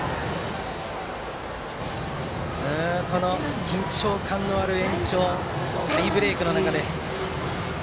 この緊張感のある延長タイブレークの中で。